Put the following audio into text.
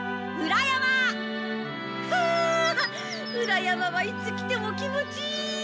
裏山はいつ来ても気持ちいい！